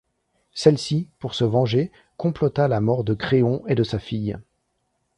Celle-ci, pour se venger, complota la mort de Créon et de sa fille.